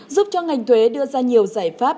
giúp cho ngành thuế đưa ra nhiều giải pháp